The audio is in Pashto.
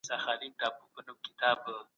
ملکیت د کورنۍ د پیاوړتیا لامل دی.